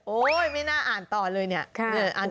ไม่น่าอ่านต่อเลยเนี่ย